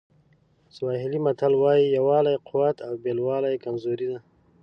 سواهیلي متل وایي یووالی قوت او بېلوالی کمزوري ده.